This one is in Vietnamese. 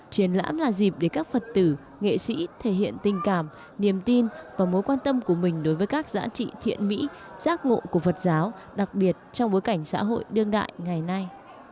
triển lãm là dịp để các phật tử nghệ sĩ thể hiện tình cảm niềm tin và mối quan tâm của mình đối với các giá trị thiện mỹ giác ngộ của phật giáo đặc biệt trong bối cảnh xã hội đương đại ngày nay